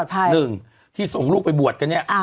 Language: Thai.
ถ้าสมมุติหนึ่งที่ส่งลูกไปบวชกันเนี่ย